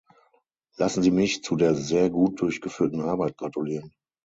Lassen Sie mich zu der sehr gut durchgeführten Arbeit gratulieren.